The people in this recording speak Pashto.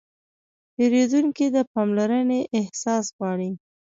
پیرودونکی د پاملرنې احساس غواړي.